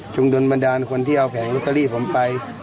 โดนบันดาลคนที่เอาแผงลอตเตอรี่ผมไป